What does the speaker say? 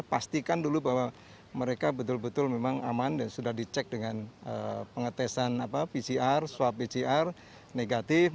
pastikan dulu bahwa mereka betul betul memang aman dan sudah dicek dengan pengetesan pcr swab pcr negatif